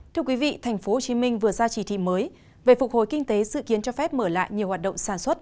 thưa quý vị tp hcm vừa ra chỉ thị mới về phục hồi kinh tế dự kiến cho phép mở lại nhiều hoạt động sản xuất